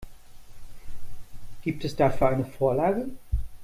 Gibt es dafür eine Vorlage?